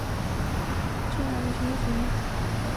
桑莫塞郡为美国最老的郡之一。